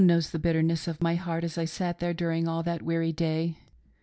23 1 knows the bitterness of my heart as I sat there during all that weary day.